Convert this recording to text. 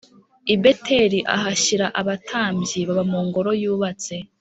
I Beteli ahashyira abatambyi baba mu ngoro yubatse